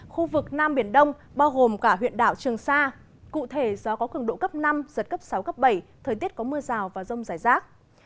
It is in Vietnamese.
khu vực nam biển đông bao gồm cả huyện đảo trường sa cụ thể gió có cường độ cấp năm giật cấp sáu cấp bảy thời tiết có mưa rào và rông rải rác